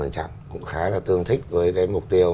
cũng khá là tương thích với cái mục tiêu